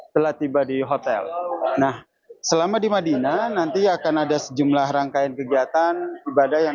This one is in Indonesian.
telah tiba di hotel nah selama di madinah nanti akan ada sejumlah rangkaian kegiatan ibadah yang